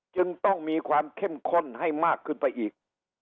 จึงต้องมีความเข้มข้นให้มากขึ้นไปอีก